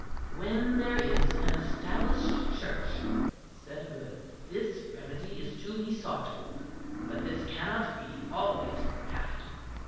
"When there is an established Church," said Goode, "this remedy is to be sought for. But this cannot be always had."